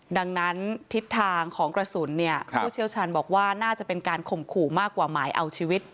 ดังนั้นทิศทางของกระสุนเนี่ยผู้เชี่ยวชาญบอกว่าน่าจะเป็นการข่มขู่มากกว่าหมายเอาชีวิต